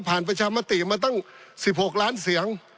ประชามติมาตั้ง๑๖ล้านเสียง